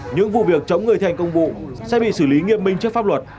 những vụ việc chống người thành công vụ sẽ bị xử lý nghiêm minh trước pháp luật